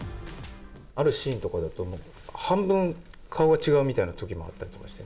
あるシーンとかだと、半分、顔が違うみたいなときもあったりして。